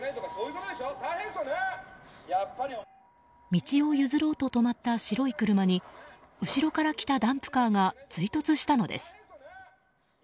道を譲ろうと止まった白い車に後ろから来たダンプカーが追突したのです。